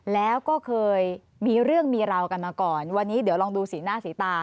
แล้วก็เคยมีเรื่องมีราวกันมาก่อนวันนี้เดี๋ยวลองดูสีหน้าสีตา